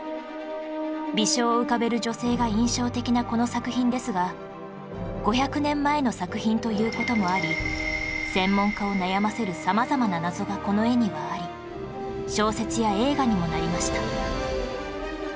微笑を浮かべる女性が印象的なこの作品ですが５００年前の作品という事もあり専門家を悩ませる様々な謎がこの絵にはあり小説や映画にもなりました